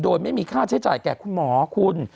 โดยไม่มีค่าใช้จ่ายแก่คุณหมอคุณ